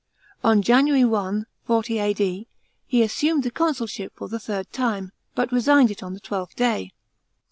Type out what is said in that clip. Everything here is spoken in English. § 11. On January 1, 40 A.D., he assumed the consulship for the third time, but resigned it on the twelfth day.